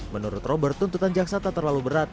menurut robert tuntutan jaksa tak terlalu berat